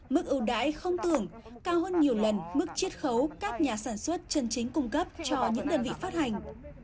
mức ưu đãi không tưởng cao hơn nhiều lần mức chiết khấu các nhà sản xuất chân chính cung cấp cho những đơn vị phát hành